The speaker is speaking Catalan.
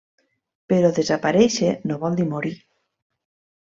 Però desaparèixer no vol dir morir.